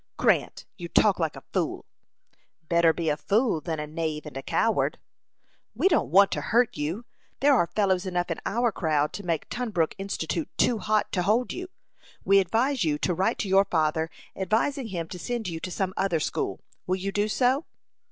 "Grant, you talk like a fool." "Better be a fool than a knave and a coward." "We don't want to hurt you. There are fellows enough in our crowd to make Tunbrook Institute too hot to hold you. We advise you to write to your father, advising him to send you to some other school. Will you do so?"